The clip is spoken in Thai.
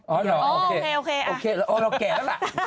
โอเคโอเคเราแก่แล้วล่ะ